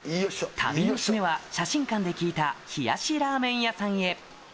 旅の締めは、写真館で聞いた冷やしラーメン屋さんへ。